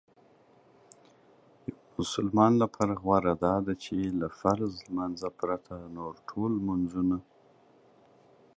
یو مسلمان لپاره غوره داده چې له فرض لمانځه پرته نور ټول لمنځونه